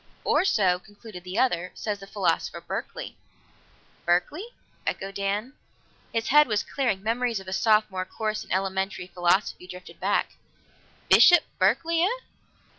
"Or so," concluded the other, "says the philosopher Berkeley." "Berkeley?" echoed Dan. His head was clearing; memories of a Sophomore course in Elementary Philosophy drifted back. "Bishop Berkeley, eh?"